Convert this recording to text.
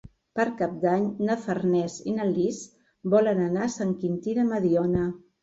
Per Cap d'Any na Farners i na Lis volen anar a Sant Quintí de Mediona.